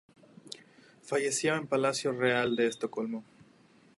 Falleció en el Palacio Real de Estocolmo.